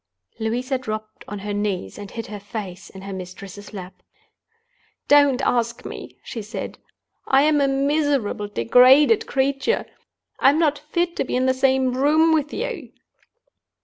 Louisa dropped on her knees and hid her face in her mistress's lap. "Don't ask me!" she said. "I'm a miserable, degraded creature; I'm not fit to be in the same room with you!"